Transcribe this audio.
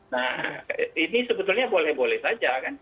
nah ini sebetulnya boleh boleh saja kan